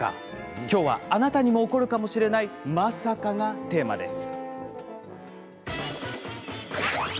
今日はあなたにも起こるかもしれない、まさかがテーマです。